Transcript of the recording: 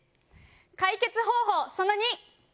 解決方法その２。